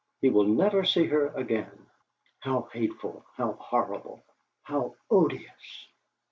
He will never see her again!" How hateful, how horrible, how odious!